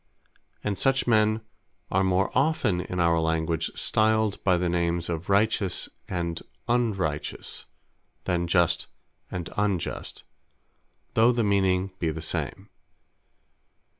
And such men are more often in our Language stiled by the names of Righteous, and Unrighteous; then Just, and Unjust; though the meaning be the same.